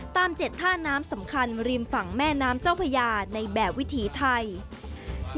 ๗ท่าน้ำสำคัญริมฝั่งแม่น้ำเจ้าพญาในแบบวิถีไทย